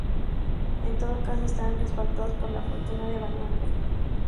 En todo caso, estaban respaldadas por la fortuna de Belaúnde.